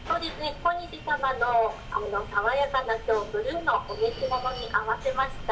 小西様の爽やかなきょうブルーのお召し物に合わせました。